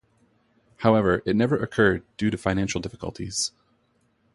However, it never occurred due to financial difficulties.